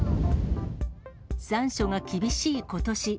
残暑が厳しいことし。